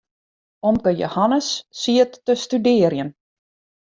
Omke Jehannes siet te studearjen.